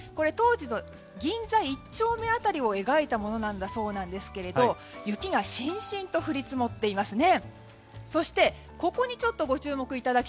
当時の銀座１丁目辺りを描いたものですが雪がしんしんと降り積もっていますね。